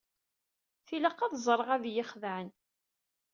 Tilaq ad ẓreɣ ad iyi-xedɛen.